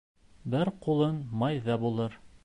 Бер ҡулың майҙа булыр.